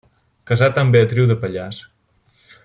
Casat amb Beatriu de Pallars.